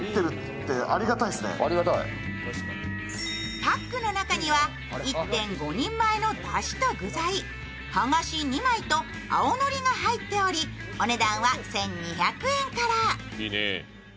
パックの中には１．５人前のだしと具材、はがし２枚と青のりが入っておりお値段は１２００円から。